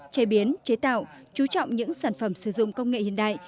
chế biến chế tạo chú trọng những sản phẩm sử dụng công nghệ hiện đại